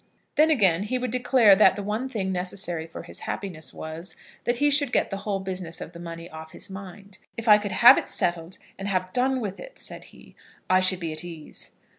Then, again, he would declare that the one thing necessary for his happiness was, that he should get the whole business of the money off his mind. "If I could have it settled, and have done with it," said he, "I should be at ease."